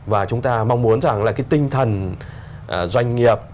và chúng ta mong muốn rằng là cái tinh thần doanh nghiệp